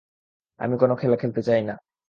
আমি কোনও খেলা খেলতে চাই না।